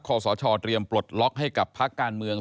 สชเตรียมปลดล็อกให้กับพักการเมือง